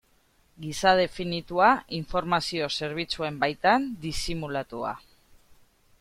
Gisa definitua, informazio zerbitzuen baitan disimulatua.